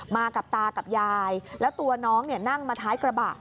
มากับตากับยายแล้วตัวน้องนั่งมาท้ายกระบะ